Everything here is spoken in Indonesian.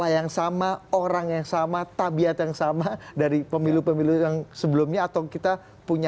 yang sama orang yang sama tabiat yang sama dari pemilu pemilu yang sebelumnya atau kita punya